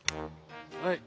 はい。